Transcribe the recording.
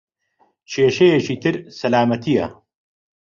کێشەیەکی تر سەلامەتییە.